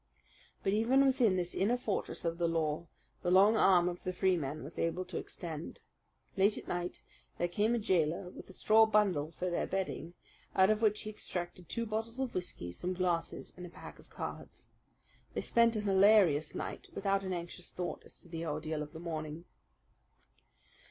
But even within this inner fortress of the law the long arm of the Freemen was able to extend. Late at night there came a jailer with a straw bundle for their bedding, out of which he extracted two bottles of whisky, some glasses, and a pack of cards. They spent a hilarious night, without an anxious thought as to the ordeal of the morning.